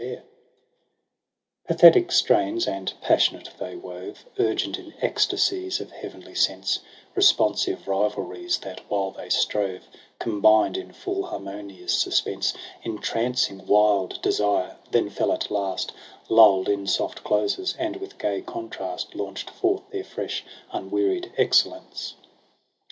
Io^ EROS ^ PSYCHE 15: P athetic strains and passionate they wove, U rgent in ecstasies of heavenly sense 5 R esponsive rivalries, that, while they strove, C ombined in full harmonious suspense, E ntrancing wild desire, then fell at last L uli'd in soft closes, and with gay contrast L aunch'd forth their fresh unwearied excellence.